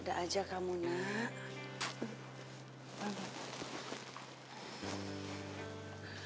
dadah aja kamu nak